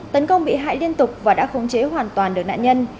tấn công bị hại liên tục và đã khống chế hoàn toàn được nạn nhân